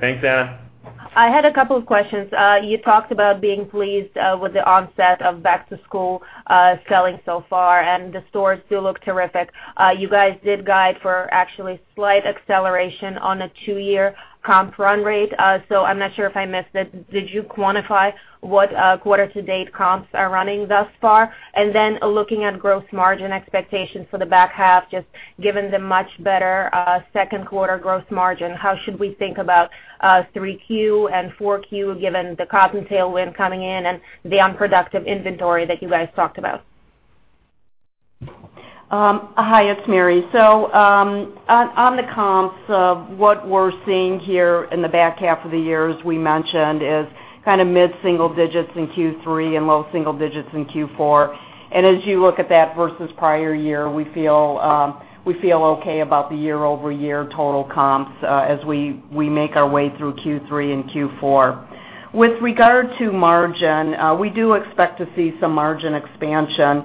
Thanks, Anna. I had a couple of questions. You talked about being pleased with the onset of back-to-school selling so far, and the stores do look terrific. You guys did guide for actually slight acceleration on a two-year comp run rate. I'm not sure if I missed it. Did you quantify what quarter-to-date comps are running thus far? Looking at gross margin expectations for the back half, just given the much better second quarter gross margin, how should we think about 3Q and 4Q given the cotton tailwind coming in and the unproductive inventory that you guys talked about? Hi, it's Mary. On the comps, what we're seeing here in the back half of the year, as we mentioned, is mid-single digits in Q3 and low single digits in Q4. As you look at that versus prior year, we feel okay about the year-over-year total comps as we make our way through Q3 and Q4. With regard to margin, we do expect to see some margin expansion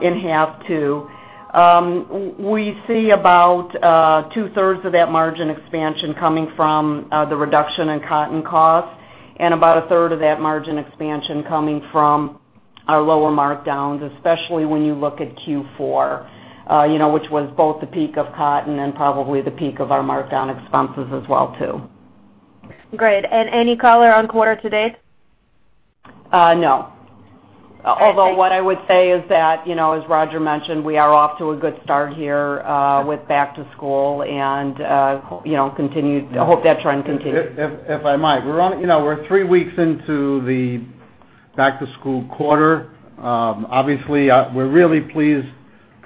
in half two. We see about two-thirds of that margin expansion coming from the reduction in cotton costs and about a third of that margin expansion coming from our lower markdowns, especially when you look at Q4 which was both the peak of cotton and probably the peak of our markdown expenses as well, too. Great. Any color on quarter to date? No. Although what I would say is that, as Roger mentioned, we are off to a good start here with back to school and hope that trend continues. If I might. We're three weeks into the back-to-school quarter. Obviously, we're really pleased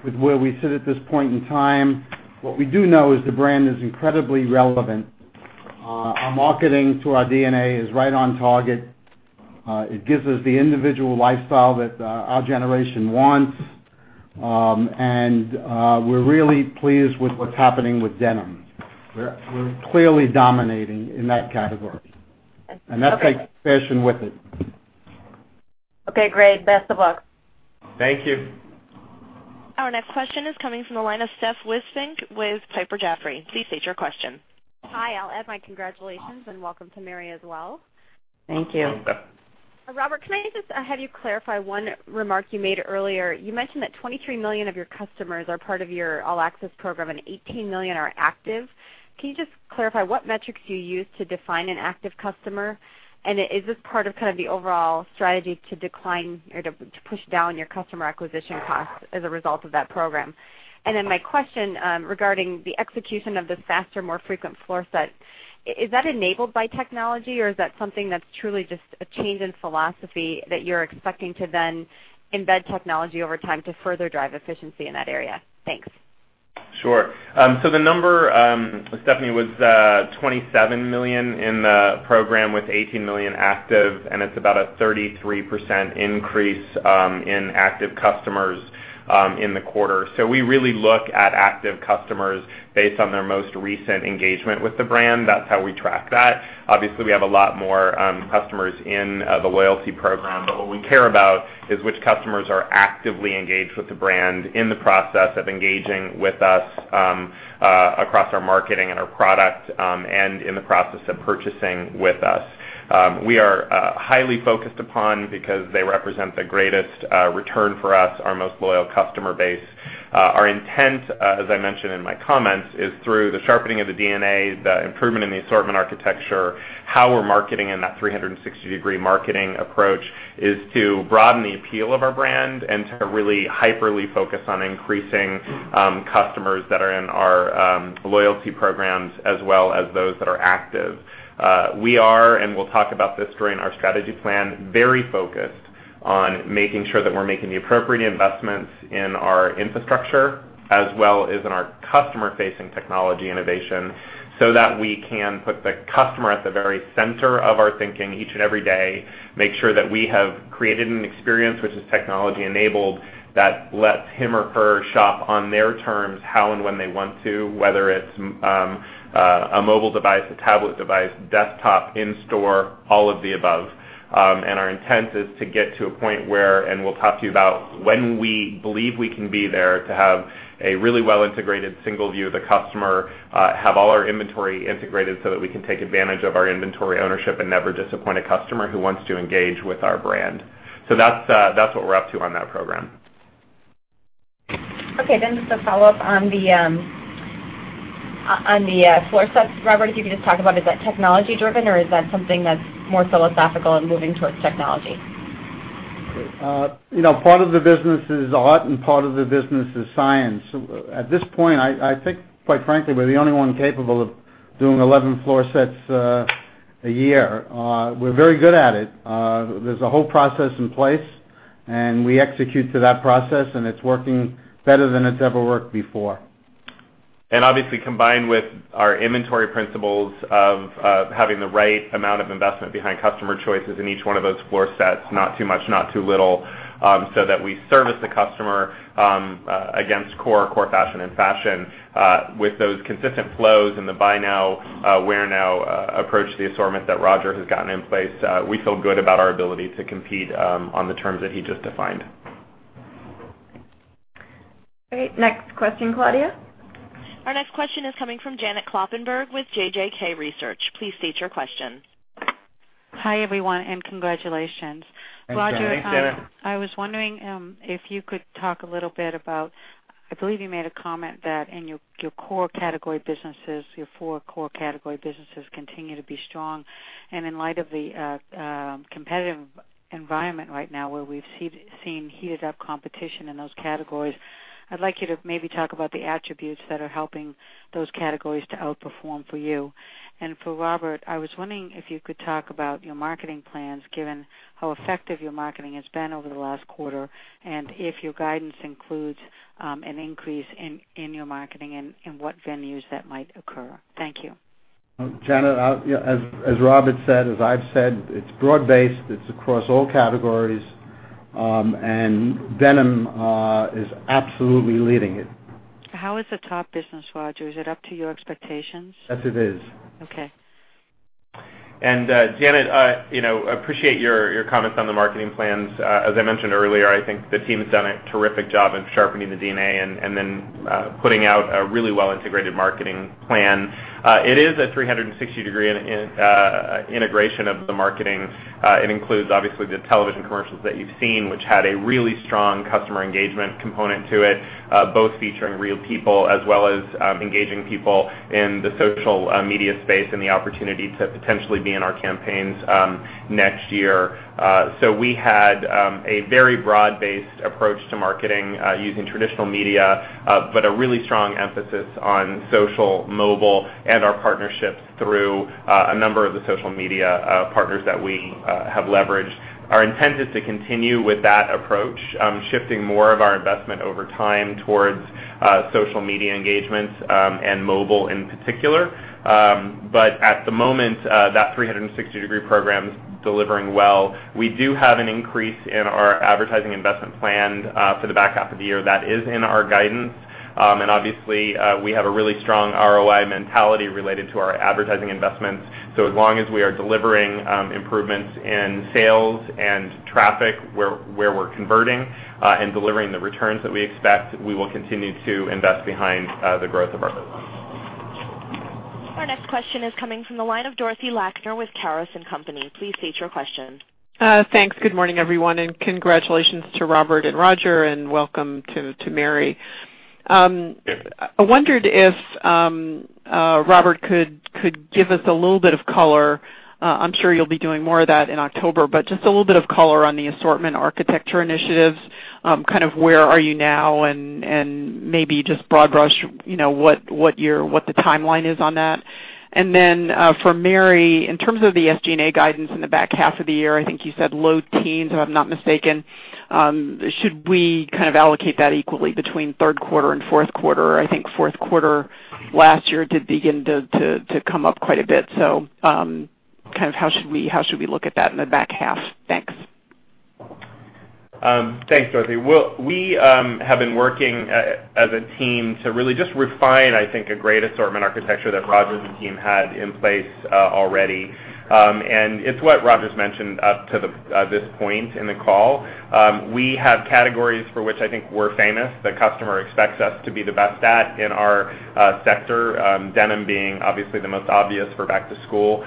with where we sit at this point in time. What we do know is the brand is incredibly relevant. Our marketing to our DNA is right on target. It gives us the individual lifestyle that our generation wants. We're really pleased with what's happening with denim. We're clearly dominating in that category. That takes fashion with it. Okay, great. Best of luck. Thank you. Our next question is coming from the line of Steph Wissink with Piper Jaffray. Please state your question. Hi, I'll add my congratulations and welcome to Mary as well. Thank you. Welcome. Robert, can I just have you clarify one remark you made earlier? You mentioned that $23 million of your customers are part of your All Access Program, and $18 million are active. Can you just clarify what metrics do you use to define an active customer? Is this part of the overall strategy to decline or to push down your customer acquisition costs as a result of that program? My question regarding the execution of this faster, more frequent floor set. Is that enabled by technology, or is that something that's truly just a change in philosophy that you're expecting to then embed technology over time to further drive efficiency in that area? Thanks. Sure. The number, Stephanie, was $27 million in the program, with $18 million active, and it's about a 33% increase in active customers in the quarter. We really look at active customers based on their most recent engagement with the brand. That's how we track that. Obviously, we have a lot more customers in the loyalty program, but what we care about is which customers are actively engaged with the brand in the process of engaging with us across our marketing and our product, and in the process of purchasing with us. We are highly focused upon because they represent the greatest return for us, our most loyal customer base. Our intent, as I mentioned in my comments, is through the sharpening of the DNA, the improvement in the assortment architecture, how we're marketing in that 360-degree marketing approach, is to broaden the appeal of our brand and to really hyperly focus on increasing customers that are in our loyalty programs as well as those that are active. We are, and we'll talk about this during our strategy plan, very focused on making sure that we're making the appropriate investments in our infrastructure as well as in our customer-facing technology innovation so that we can put the customer at the very center of our thinking each and every day, make sure that we have created an experience which is technology-enabled that lets him or her shop on their terms how and when they want to, whether it's a mobile device, a tablet device, desktop, in-store, all of the above. Our intent is to get to a point where, we'll talk to you about when we believe we can be there to have a really well-integrated single view of the customer, have all our inventory integrated so that we can take advantage of our inventory ownership and never disappoint a customer who wants to engage with our brand. That's what we're up to on that program. Okay, just a follow-up on the floor sets, Robert, if you could just talk about is that technology driven or is that something that's more philosophical and moving towards technology? Part of the business is art and part of the business is science. At this point, I think, quite frankly, we're the only one capable of doing 11 floor sets A year. We're very good at it. There's a whole process in place, and we execute to that process, and it's working better than it's ever worked before. Obviously, combined with our inventory principles of having the right amount of investment behind customer choices in each one of those floor sets, not too much, not too little, so that we service the customer against core fashion, and fashion with those consistent flows and the buy now, wear now approach to the assortment that Roger has gotten in place. We feel good about our ability to compete on the terms that he just defined. Great. Next question, Claudia. Our next question is coming from Janet Kloppenburg with JJK Research. Please state your questions. Hi, everyone, and congratulations. Thanks, Janet. Roger, I was wondering if you could talk a little bit about, I believe you made a comment that in your core category businesses, your four core category businesses continue to be strong. In light of the competitive environment right now where we've seen heated up competition in those categories, I'd like you to maybe talk about the attributes that are helping those categories to outperform for you. For Robert, I was wondering if you could talk about your marketing plans, given how effective your marketing has been over the last quarter, and if your guidance includes an increase in your marketing and what venues that might occur. Thank you. Janet, as Robert said, as I've said, it's broad-based, it's across all categories. Denim is absolutely leading it. How is the top business, Roger? Is it up to your expectations? Yes, it is. Okay. Janet, appreciate your comments on the marketing plans. As I mentioned earlier, I think the team has done a terrific job in sharpening the DNA and then putting out a really well-integrated marketing plan. It is a 360-degree integration of the marketing. It includes, obviously, the television commercials that you've seen, which had a really strong customer engagement component to it, both featuring real people as well as engaging people in the social media space and the opportunity to potentially be in our campaigns next year. We had a very broad-based approach to marketing using traditional media, but a really strong emphasis on social, mobile, and our partnerships through a number of the social media partners that we have leveraged. Our intent is to continue with that approach, shifting more of our investment over time towards social media engagements and mobile in particular. At the moment, that 360-degree program is delivering well. We do have an increase in our advertising investment plan for the back half of the year. That is in our guidance. Obviously, we have a really strong ROI mentality related to our advertising investments. As long as we are delivering improvements in sales and traffic where we're converting and delivering the returns that we expect, we will continue to invest behind the growth of our business. Our next question is coming from the line of Dorothy Lakner with Caris & Company. Please state your question. Thanks. Good morning, everyone, congratulations to Robert and Roger, welcome to Mary. I wondered if Robert could give us a little bit of color. I'm sure you'll be doing more of that in October, but just a little bit of color on the assortment architecture initiatives, where are you now and maybe just broad brush, what the timeline is on that. Then for Mary, in terms of the SG&A guidance in the back half of the year, I think you said low teens, if I'm not mistaken. Should we allocate that equally between third quarter and fourth quarter? I think fourth quarter last year did begin to come up quite a bit. How should we look at that in the back half? Thanks. Thanks, Dorothy. We have been working as a team to really just refine, I think, a great assortment architecture that Roger's team had in place already. It's what Roger's mentioned up to this point in the call. We have categories for which I think we're famous, the customer expects us to be the best at in our sector, denim being obviously the most obvious for back to school.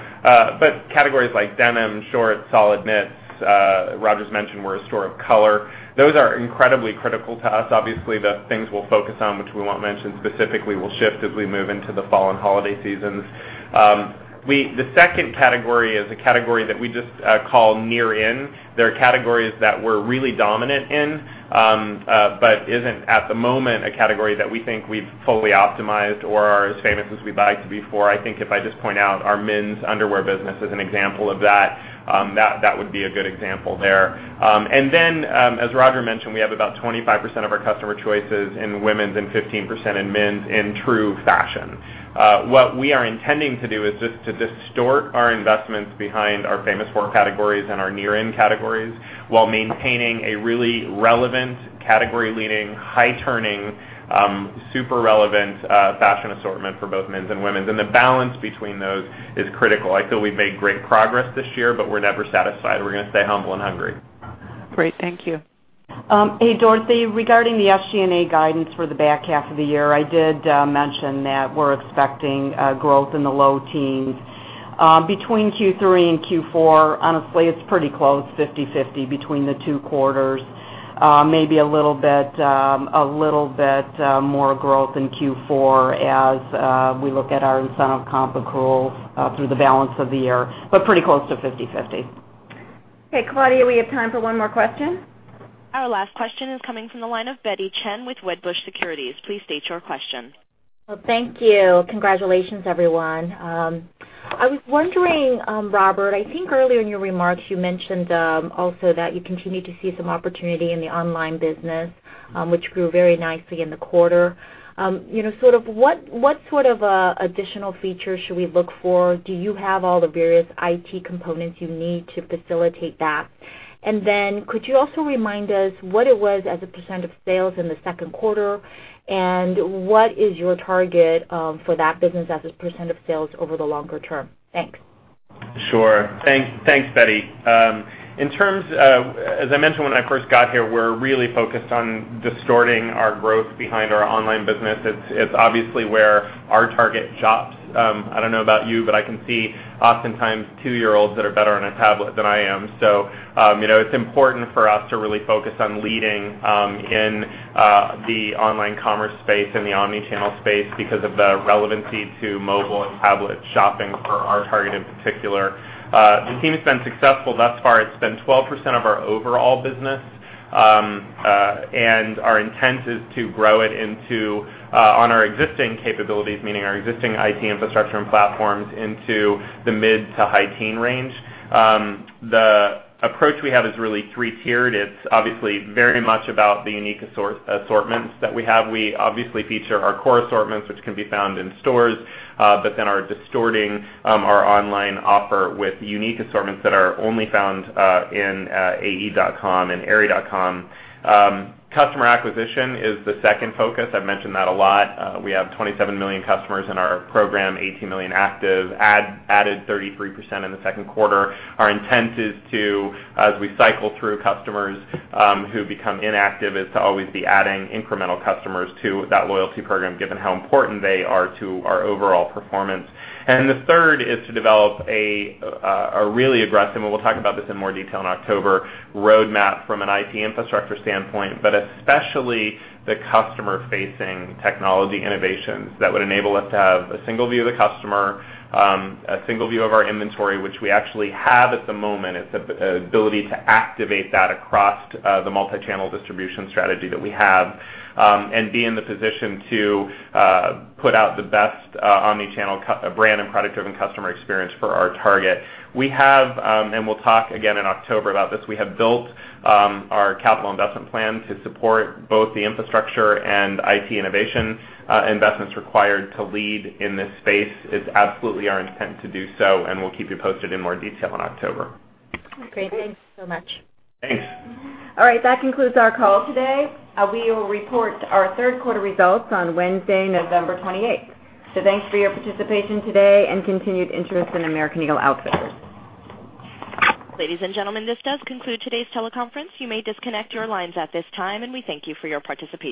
Categories like denim, shorts, solid knits, Roger's mentioned we're a store of color. Those are incredibly critical to us. Obviously, the things we'll focus on, which we won't mention specifically, will shift as we move into the fall and holiday seasons. The second category is a category that we just call near-in. They're categories that we're really dominant in, but isn't, at the moment, a category that we think we've fully optimized or are as famous as we'd like to be for. I think if I just point out our men's underwear business as an example of that would be a good example there. Then, as Roger mentioned, we have about 25% of our customer choices in women's and 15% in men's in true fashion. What we are intending to do is just to distort our investments behind our Famous Four categories and our near-in categories while maintaining a really relevant category-leading, high-turning, super relevant fashion assortment for both men's and women's. The balance between those is critical. I feel we've made great progress this year, but we're never satisfied. We're going to stay humble and hungry. Great. Thank you. Hey, Dorothy, regarding the SG&A guidance for the back half of the year, I did mention that we're expecting growth in the low teens. Between Q3 and Q4, honestly, it's pretty close, 50-50 between the two quarters. Maybe a little bit more growth in Q4 as we look at our incentive comp accrual through the balance of the year, but pretty close to 50-50. Okay, Claudia, we have time for one more question. Our last question is coming from the line of Betty Chen with Wedbush Securities. Please state your question. Well, thank you. Congratulations, everyone. I was wondering, Robert, I think earlier in your remarks, you mentioned also that you continue to see some opportunity in the online business, which grew very nicely in the quarter. What sort of additional features should we look for? Do you have all the various IT components you need to facilitate that? Could you also remind us what it was as a % of sales in the second quarter, and what is your target for that business as a % of sales over the longer term? Thanks. Sure. Thanks, Betty. As I mentioned when I first got here, we're really focused on distorting our growth behind our online business. It's obviously where our target shops. I don't know about you, but I can see oftentimes two-year-olds that are better on a tablet than I am. It's important for us to really focus on leading in the online commerce space and the omni-channel space because of the relevancy to mobile and tablet shopping for our target in particular. The team's been successful thus far. It's been 12% of our overall business, and our intent is to grow it on our existing capabilities, meaning our existing IT infrastructure and platforms, into the mid to high teen range. The approach we have is really 3-tiered. It's obviously very much about the unique assortments that we have. We obviously feature our core assortments, which can be found in stores, but then are distorting our online offer with unique assortments that are only found in ae.com and aerie.com. Customer acquisition is the second focus. I've mentioned that a lot. We have 27 million customers in our program, 18 million active, added 33% in the second quarter. Our intent is to, as we cycle through customers who become inactive, is to always be adding incremental customers to that loyalty program, given how important they are to our overall performance. The third is to develop a really aggressive, and we'll talk about this in more detail in October, roadmap from an IT infrastructure standpoint, but especially the customer-facing technology innovations that would enable us to have a single view of the customer, a single view of our inventory, which we actually have at the moment. It's the ability to activate that across the multi-channel distribution strategy that we have and be in the position to put out the best omni-channel brand and product-driven customer experience for our target. We have, and we'll talk again in October about this, we have built our capital investment plan to support both the infrastructure and IT innovation investments required to lead in this space. It's absolutely our intent to do so, and we'll keep you posted in more detail in October. Great. Thanks so much. Thanks. All right. That concludes our call today. We will report our third quarter results on Wednesday, November 28th. Thanks for your participation today and continued interest in American Eagle Outfitters. Ladies and gentlemen, this does conclude today's teleconference. You may disconnect your lines at this time. We thank you for your participation.